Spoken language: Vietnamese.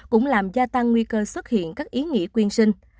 cũng làm gia tăng nguy cơ xuất hiện các ý nghĩa quyên sinh